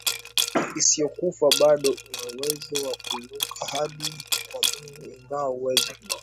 isiyokufa bado ana uwezo wa kuinuka hadi kwa Mungu ingawa uwezo